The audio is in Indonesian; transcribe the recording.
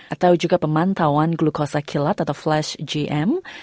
atau juga pemantauan glukosa kilat atau flash gm